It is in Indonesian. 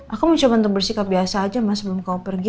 aku mau coba untuk bersikap biasa aja mas sebelum kamu pergi